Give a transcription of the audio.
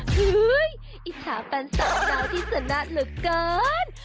เฮ้ยไอ้สาวแฟนสาวนาวที่สนัดเหลือเกิน